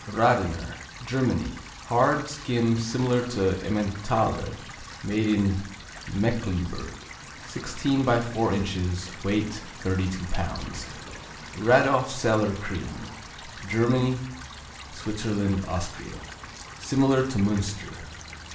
Radener Germany Hard; skim, similar to Emmentaler; made in Mecklenburg. Sixteen by four inches, weight 32 pounds. Radolfzeller Cream Germany, Switzerland, Austria Similar to Münster.